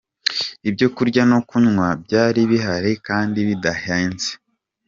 Ibyo kurya no kunywa byari bihari kandi bidahenze.